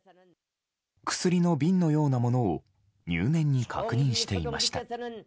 薬の瓶のようなものを入念に確認していました。